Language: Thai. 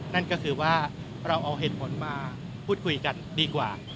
นั่นก็คือว่าเราเอาเหตุผลมาพูดคุยกันดีกว่า